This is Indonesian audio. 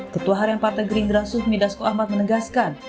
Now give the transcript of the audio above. ketua harian partai gerindra sufmi dasko ahmad menegaskan